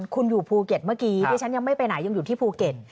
คุณอยู่ภูเก็ตเมื่อกี้ที่ฉันยังไม่ไปไหนยังอยู่ที่ภูเก็ต